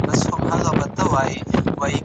بې نظمي ستونزې زياتوي.